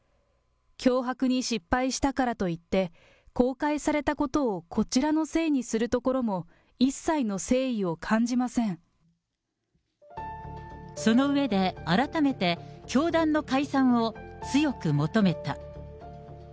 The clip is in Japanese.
脅迫に失敗したからといって、公開されたことをこちらのせいにするところも一切の誠意を感じまその上で、改めて教団の解散を強く求めた。